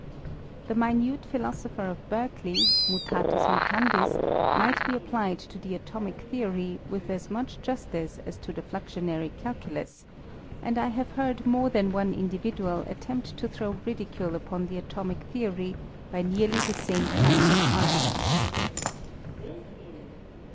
The minute philosopher of Berke ley, fR7itafis»ii(ran^is, mrght he applied to the atomic theory with as much justice as to the fluxionary calculus ; and I have heard more than one indivi dual attempt to throw ridicule upon the atomic theory by nearly the same kind of arguments.